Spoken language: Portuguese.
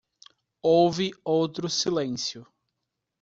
Houve outro silêncio.